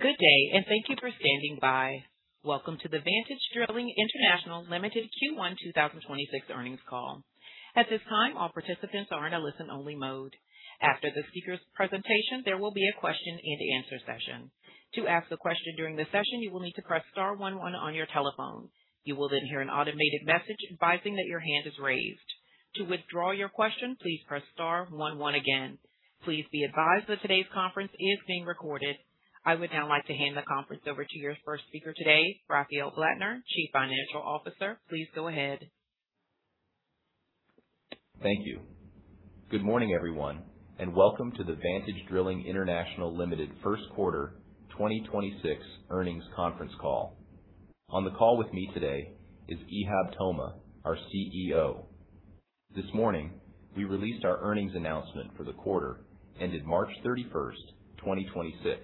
Good day, and thank you for standing by. Welcome to the Vantage Drilling International Ltd. Q1 2026 earnings call, at this time all participant are in listen only mode, after the speakers presentation there will be a question and answer session. To ask a question during the session you will need to press, star one one on your telephone, you will then hear an automated message advising that your hand is raised, to withdraw your question please press star one one again. Please be advice that todays conference is being recorded. I would now like to hand the conference over to your first speaker today, Rafael Blattner, Chief Financial Officer. Please go ahead. Thank you. Good morning, everyone, and welcome to the Vantage Drilling International Ltd. first quarter 2026 earnings conference call. On the call with me today is Ihab Toma, our Chief Executive Officer. This morning, we released our earnings announcement for the quarter ending March 31, 2026.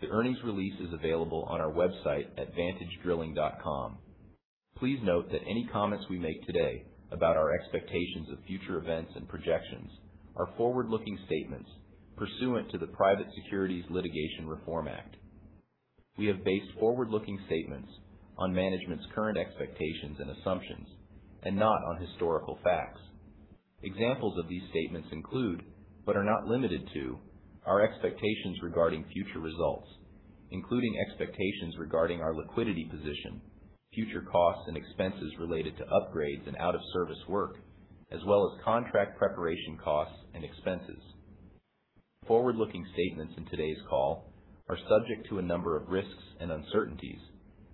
The earnings release is available on our website at vantagedrilling.com. Please note that any comments we make today about our expectations of future events and projections are forward-looking statements pursuant to the Private Securities Litigation Reform Act. We have based forward-looking statements on management's current expectations and assumptions and not on historical facts. Examples of these statements include, but are not limited to, our expectations regarding future results, including expectations regarding our liquidity position, future costs and expenses related to upgrades and out-of-service work, as well as contract preparation costs and expenses. Forward-looking statements in today's call are subject to a number of risks and uncertainties,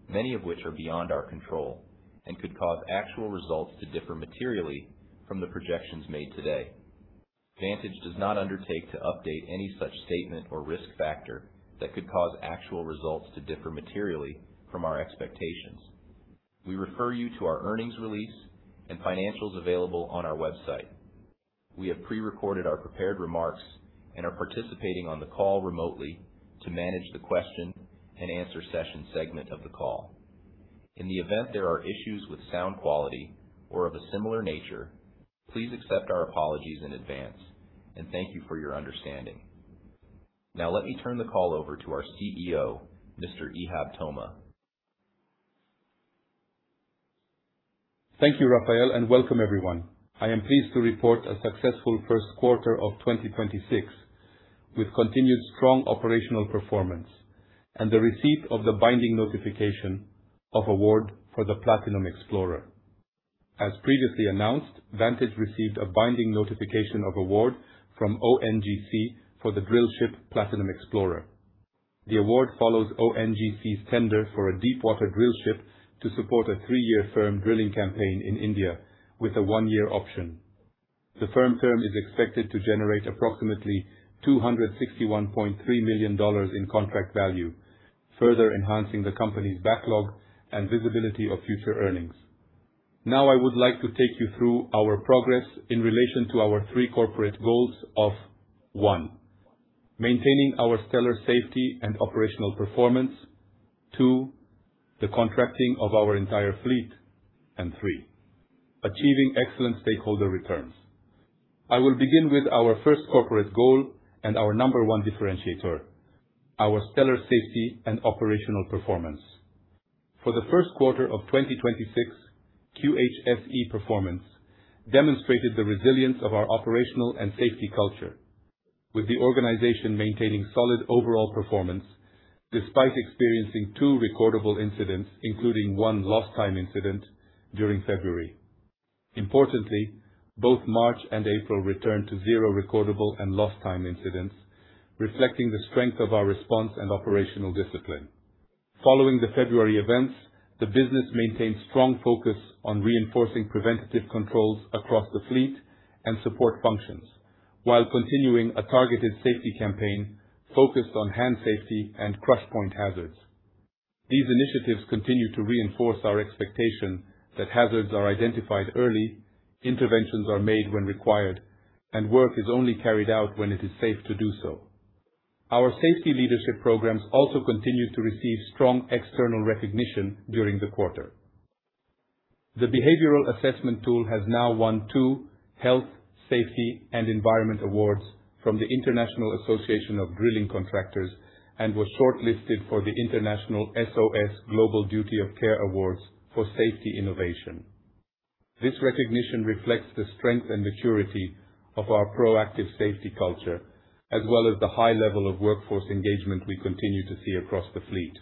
many of which are beyond our control, and could cause actual results to differ materially from the projections made today. Vantage does not undertake to update any such statement or risk factor that could cause actual results to differ materially from our expectations. We refer you to our earnings release and financials available on our website. We have pre-recorded our prepared remarks and are participating on the call remotely to manage the question-and-answer session segment of the call. In the event there are issues with sound quality or of a similar nature, please accept our apologies in advance, and thank you for your understanding. Now let me turn the call over to our Chief Executive Officer, Mr. Ihab Toma. Thank you, Rafael, and welcome everyone. I am pleased to report a successful first quarter of 2026 with continued strong operational performance and the receipt of the Binding Notification of Award for the Platinum Explorer. As previously announced, Vantage received a Binding Notification of Award from ONGC for the drillship Platinum Explorer. The award follows ONGC's tender for a deepwater drillship to support a three year firm drilling campaign in India with a one year option. The firm term is expected to generate approximately $261.3 million in contract value, further enhancing the company's backlog and visibility of future earnings. Now I would like to take you through our progress in relation to our three corporate goals of, one, maintaining our stellar safety and operational performance, two, the contracting of our entire fleet, and three, achieving excellent stakeholder returns. I will begin with our first corporate goal and our number one differentiator, our stellar safety and operational performance. For the first quarter of 2026, QHSE performance demonstrated the resilience of our operational and safety culture, with the organization maintaining solid overall performance despite experiencing two Recordable Incidents, including one Lost Time Incident during February. Importantly, both March and April returned to zero Recordable and Lost Time Incidents, reflecting the strength of our response and operational discipline. Following the February events, the business maintained strong focus on reinforcing preventative controls across the fleet and support functions while continuing a targeted safety campaign focused on hand safety and crush point hazards. These initiatives continue to reinforce our expectation that hazards are identified early, interventions are made when required, and work is only carried out when it is safe to do so. Our safety leadership programs also continued to receive strong external recognition during the quarter. The behavioral assessment tool has now won two health, safety, and environment awards from the International Association of Drilling Contractors and was shortlisted for the International SOS Global Duty of Care Awards for Safety Innovation. This recognition reflects the strength and maturity of our proactive safety culture as well as the high level of workforce engagement we continue to see across the fleet.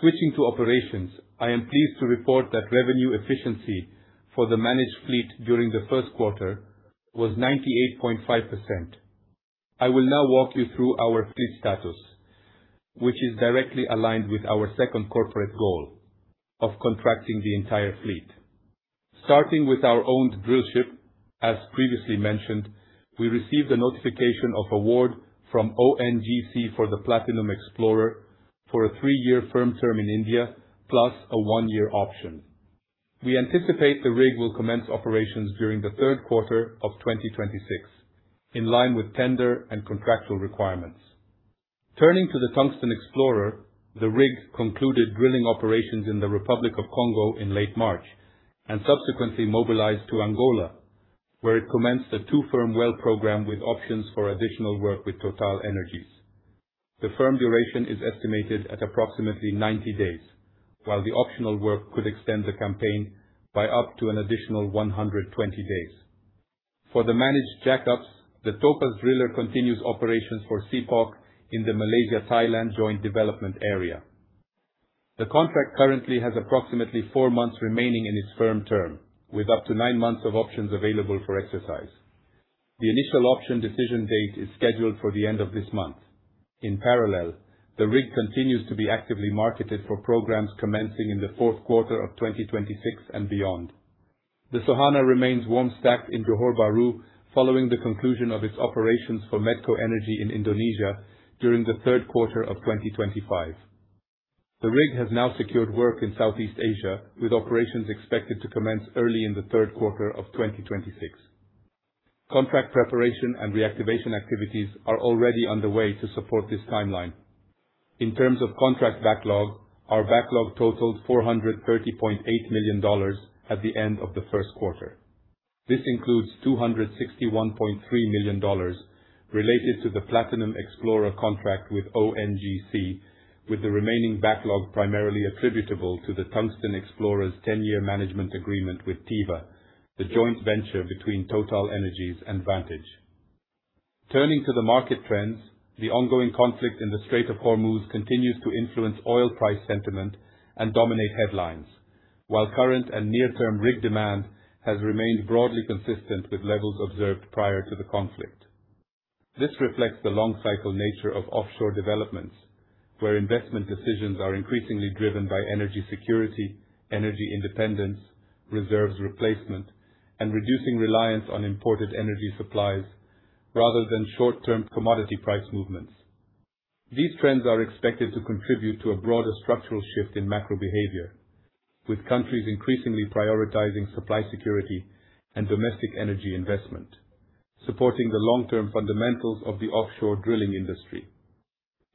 Switching to operations, I am pleased to report that Revenue Efficiency for the managed fleet during the first quarter was 98.5%. I will now walk you through our fleet status, which is directly aligned with our second corporate goal of contracting the entire fleet. Starting with our owned drillship, as previously mentioned, we received a Notification of Award from ONGC for the Platinum Explorer for a three-year firm term in India, plus a one-year option. We anticipate the rig will commence operations during the third quarter of 2026, in line with tender and contractual requirements. Turning to the Tungsten Explorer, the rig concluded drilling operations in the Republic of Congo in late March and subsequently mobilized to Angola, where it commenced a two-firm well program with options for additional work with TotalEnergies. The firm duration is estimated at approximately 90 days, while the optional work could extend the campaign by up to an additional 120 days. For the managed jackups, the Topaz Driller continues operations for CPOC in the Malaysia-Thailand Joint Development Area. The contract currently has approximately four months remaining in its firm term, with up to nine months of options available for exercise. The initial option decision date is scheduled for the end of this month. In parallel, the rig continues to be actively marketed for programs commencing in the fourth quarter of 2026 and beyond. The Soehanah remains warm stacked in Johor Bahru following the conclusion of its operations for MedcoEnergi in Indonesia during the third quarter of 2025. The rig has now secured work in Southeast Asia, with operations expected to commence early in the third quarter of 2026. Contract preparation and reactivation activities are already underway to support this timeline. In terms of contract backlog, our backlog totaled $430.8 million at the end of the first quarter. This includes $261.3 million related to the Platinum Explorer contract with ONGC, with the remaining backlog primarily attributable to the Tungsten Explorer's 10-year management agreement with TEJV, the joint venture between TotalEnergies and Vantage. Turning to the market trends, the ongoing conflict in the Strait of Hormuz continues to influence oil price sentiment and dominate headlines. While current and near-term rig demand has remained broadly consistent with levels observed prior to the conflict. This reflects the long cycle nature of offshore developments, where investment decisions are increasingly driven by energy security, energy independence, reserves replacement, and reducing reliance on imported energy supplies rather than short-term commodity price movements. These trends are expected to contribute to a broader structural shift in macro behavior, with countries increasingly prioritizing supply security and domestic energy investment, supporting the long-term fundamentals of the offshore drilling industry.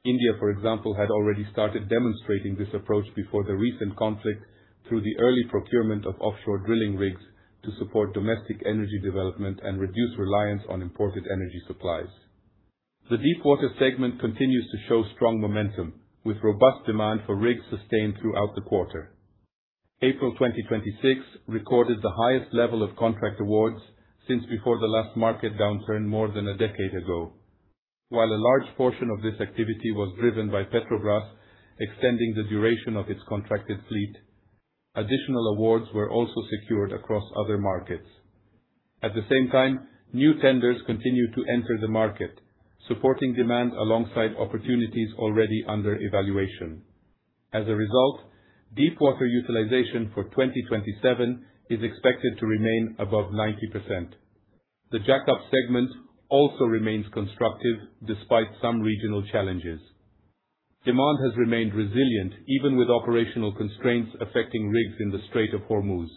India, for example, had already started demonstrating this approach before the recent conflict through the early procurement of offshore drilling rigs to support domestic energy development and reduce reliance on imported energy supplies. The deepwater segment continues to show strong momentum, with robust demand for rigs sustained throughout the quarter. April 2026 recorded the highest level of contract awards since before the last market downturn more than a decade ago. While a large portion of this activity was driven by Petrobras extending the duration of its contracted fleet, additional awards were also secured across other markets. At the same time, new tenders continue to enter the market, supporting demand alongside opportunities already under evaluation. As a result, deepwater utilization for 2027 is expected to remain above 90%. The jackup segment also remains constructive despite some regional challenges. Demand has remained resilient even with operational constraints affecting rigs in the Strait of Hormuz.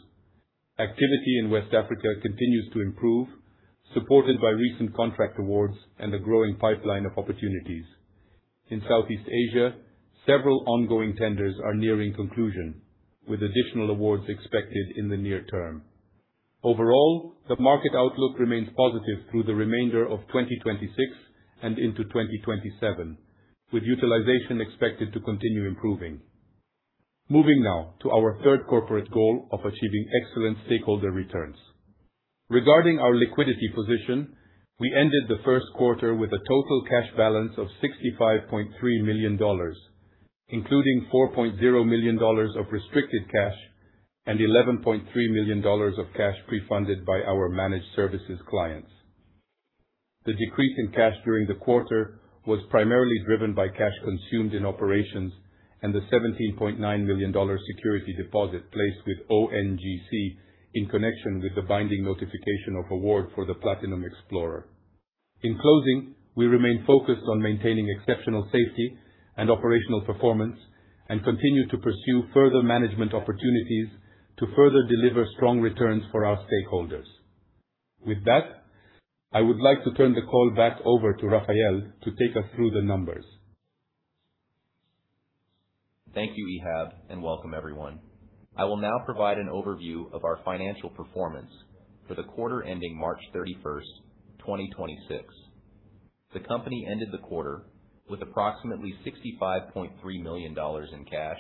Activity in West Africa continues to improve, supported by recent contract awards and a growing pipeline of opportunities. In Southeast Asia, several ongoing tenders are nearing conclusion, with additional awards expected in the near term. Overall, the market outlook remains positive through the remainder of 2026 and into 2027, with utilization expected to continue improving. Moving now to our third corporate goal of achieving excellent stakeholder returns. Regarding our liquidity position, we ended the first quarter with a total cash balance of $65.3 million, including $4.0 million of restricted cash and $11.3 million of cash pre-funded by our managed services clients. The decrease in cash during the quarter was primarily driven by cash consumed in operations and the $17.9 million security deposit placed with ONGC in connection with the binding notification of award for the Platinum Explorer. In closing, we remain focused on maintaining exceptional safety and operational performance and continue to pursue further management opportunities to further deliver strong returns for our stakeholders. With that, I would like to turn the call back over to Rafael to take us through the numbers. Thank you, Ihab, and welcome everyone. I will now provide an overview of our financial performance for the quarter ending March 31, 2026. The company ended the quarter with approximately $65.3 million in cash,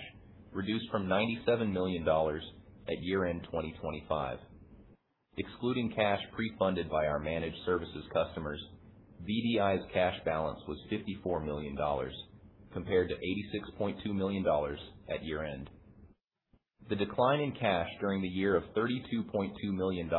reduced from $97 million at year-end 2025. Excluding cash pre-funded by our managed services customers, VDI's cash balance was $54 million, compared to $86.2 million at year-end. The decline in cash during the year of $32.2 million,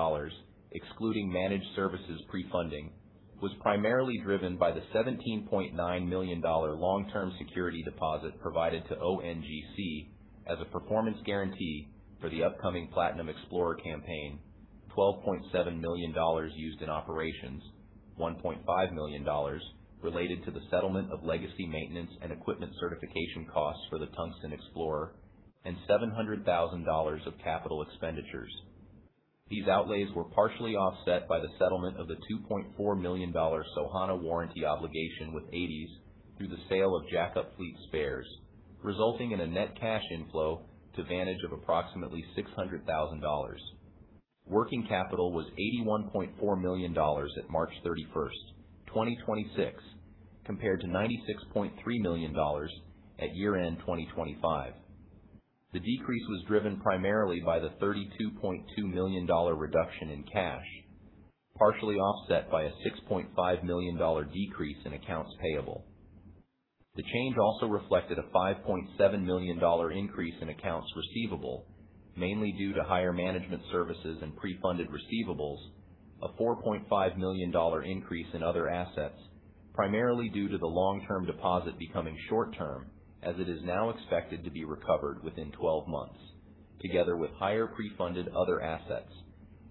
excluding managed services pre-funding, was primarily driven by the $17.9 million long-term security deposit provided to ONGC as a performance guarantee for the upcoming Platinum Explorer campaign, $12.7 million used in operations, $1.5 million related to the settlement of legacy maintenance and equipment certification costs for the Tungsten Explorer, and $700,000 of capital expenditures. These outlays were partially offset by the settlement of the $2.4 million Soehanah warranty obligation with ADES through the sale of jack-up fleet spares. Resulting in a Net Cash Inflow to Vantage of approximately $600,000. Working Capital was $81.4 million at March 31, 2026, compared to $96.3 million at year-end 2025. The decrease was driven primarily by the $32.2 million reduction in cash, partially offset by a $6.5 million decrease in Accounts Payable. The change also reflected a $5.7 million increase in Accounts Receivable, mainly due to higher management services and pre-funded receivables, a $4.5 million increase in other assets, primarily due to the Long-Term Deposit becoming short-term, as it is now expected to be recovered within 12 months, together with higher pre-funded other assets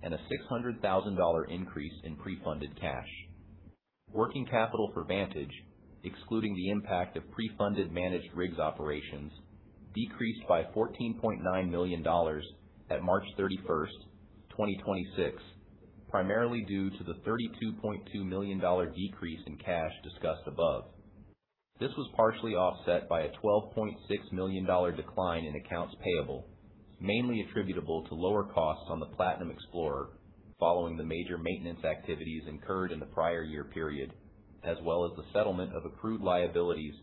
and a $600,000 increase in Pre-Funded Cash. Working capital for Vantage, excluding the impact of pre-funded managed rigs operations, decreased by $14.9 million at March 31, 2026, primarily due to the $32.2 million decrease in cash discussed above. This was partially offset by a $12.6 million decline in Accounts Payable, mainly attributable to lower costs on the Platinum Explorer, following the major maintenance activities incurred in the prior year period, as well as the settlement of Accrued Liabilities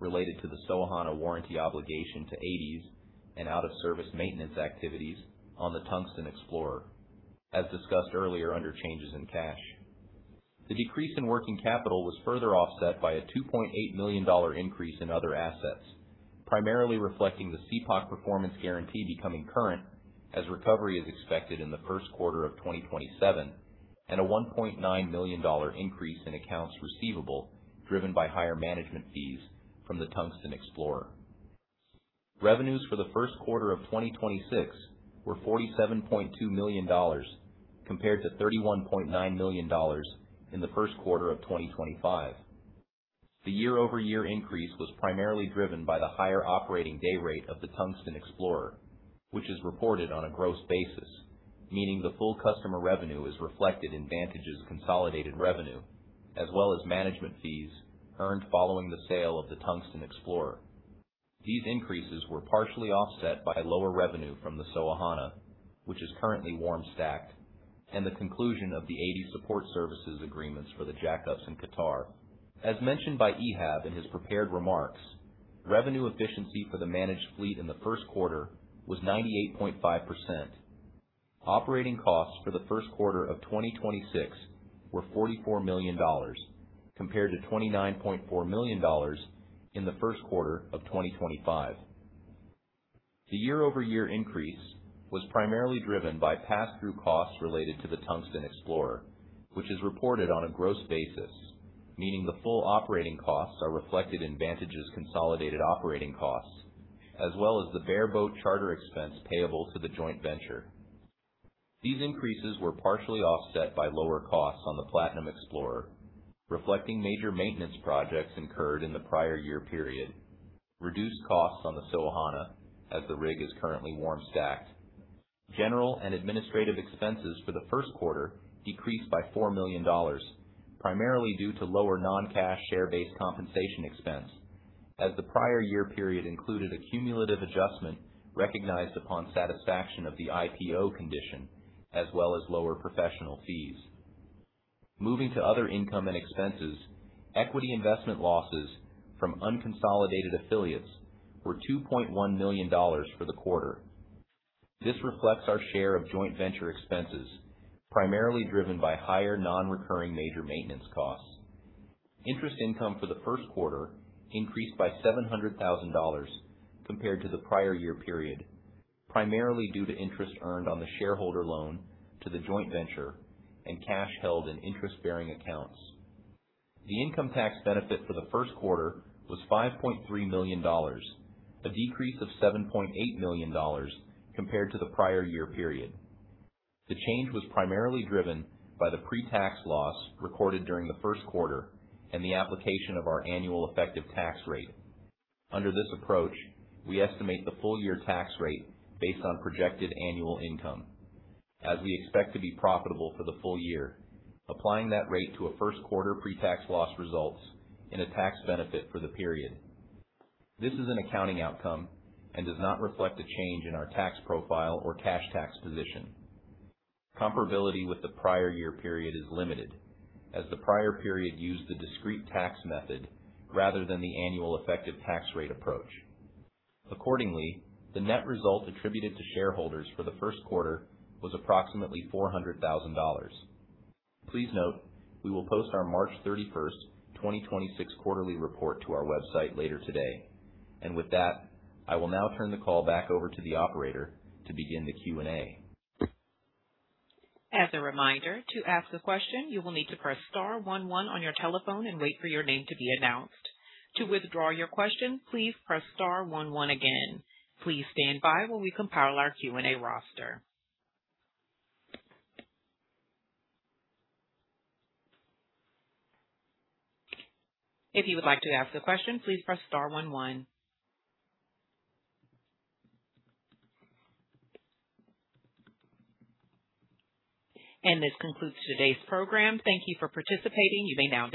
related to the Soehanah warranty obligation to ADES and out-of-service maintenance activities on the Tungsten Explorer, as discussed earlier under changes in cash. The decrease in Working Capital was further offset by a $2.8 million increase in other assets, primarily reflecting the CPOC Performance Guarantee becoming current as recovery is expected in the first quarter of 2027 and a $1.9 million increase in accounts receivable, driven by higher management fees from the Tungsten Explorer. Revenues for the first quarter of 2026 were $47.2 million, compared to $31.9 million in the first quarter of 2025. The year-over-year increase was primarily driven by the higher operating day rate of the Tungsten Explorer, which is reported on a gross basis, meaning the full customer revenue is reflected in Vantage's consolidated revenue, as well as management fees earned following the sale of the Tungsten Explorer. These increases were partially offset by lower revenue from the Soehanah, which is currently Warm Stacked, and the conclusion of the ADES support services agreements for the Jackups in Qatar. As mentioned by Ihab in his prepared remarks, Revenue Efficiency for the managed fleet in the first quarter was 98.5%. Operating costs for the first quarter of 2026 were $44 million, compared to $29.4 million in the first quarter of 2025. The year-over-year increase was primarily driven by pass-through costs related to the Tungsten Explorer, which is reported on a gross basis, meaning the full operating costs are reflected in Vantage's consolidated operating costs, as well as the Bareboat Charter Expense payable to the joint venture. These increases were partially offset by lower costs on the Platinum Explorer, reflecting major maintenance projects incurred in the prior year period. Reduced costs on the Soehanah, as the rig is currently Warm Stacked. General and Administrative Expenses for the first quarter decreased by $4 million, primarily due to lower non-cash share-based compensation expense, as the prior year period included a cumulative adjustment recognized upon satisfaction of the IPO Condition, as well as lower professional fees. Moving to other income and expenses, equity investment losses from unconsolidated affiliates were $2.1 million for the quarter. This reflects our share of joint venture expenses, primarily driven by higher non-recurring major maintenance costs. Interest Income for the first quarter increased by $700,000 compared to the prior year period, primarily due to interest earned on the shareholder loan to the joint venture and cash held in interest-bearing accounts. The Income Tax Benefit for the first quarter was $5.3 million, a decrease of $7.8 million compared to the prior year period. The change was primarily driven by the pre-tax loss recorded during the first quarter and the application of our annual effective tax rate. Under this approach, we estimate the full year tax rate based on projected annual income. As we expect to be profitable for the full year, applying that rate to a first quarter pre-tax loss results in a tax benefit for the period. This is an accounting outcome and does not reflect a change in our tax profile or cash tax position. Comparability with the prior year period is limited as the prior period used the discrete tax method rather than the annual effective tax rate approach. Accordingly, the net result attributed to shareholders for the first quarter was approximately $400,000. Please note, we will post our March 31st, 2026 quarterly report to our website later today. With that, I will now turn the call back over to the operator to begin the Q&A. As a reminder, to ask a question, you will need to press star one one on your telephone and wait for your name to be announced. To withdraw your question, please press star one one again. Please stand by while we compile our Q&A roster. If you would like to ask a question, please press star one one. This concludes today's program. Thank you for participating. You may now disconnect.